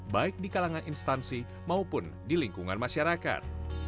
baik di kalangan instansi maupun di lingkungan masyarakat